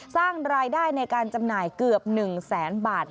สร้างรายได้ในการจำหน่ายเกือบ๑แสนบาท